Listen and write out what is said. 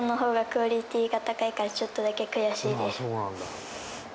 ああそうなんだ。